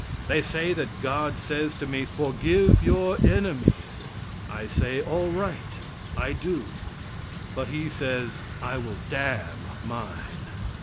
They say that God says to me, "Forgive your enemies." I say, "All right, I do;" but he says, "I will damn mine."